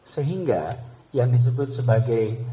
sehingga yang disebut sebagai